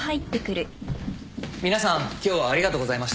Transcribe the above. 皆さん今日はありがとうございました。